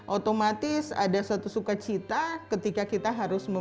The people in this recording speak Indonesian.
otomatis ada satu sukacita ketika kita harus memperbaiki